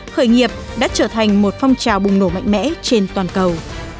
khởi nghiệp đã trở thành một phong trào bùng nổ mạnh mẽ trên toàn cầu